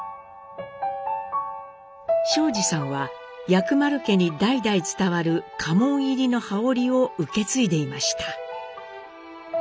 省二さんは薬丸家に代々伝わる家紋入りの羽織を受け継いでいました。